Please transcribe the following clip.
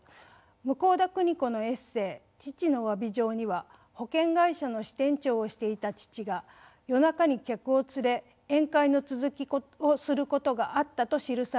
向田邦子のエッセー「父の詫び状」には保険会社の支店長をしていた父が夜中に客を連れ宴会の続きをすることがあったと記されています。